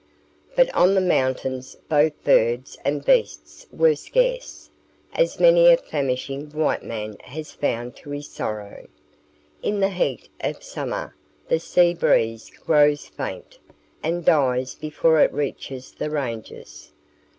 But on the mountains both birds and beasts were scarce, as many a famishing white man has found to his sorrow. In the heat of summer the sea breeze grows faint, and dies before it reaches the ranges.